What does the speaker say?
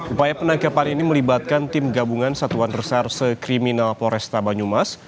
upaya penangkapan ini melibatkan tim gabungan satuan reserse kriminal poresta banyumas